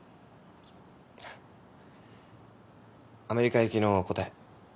アメリカ行きの答え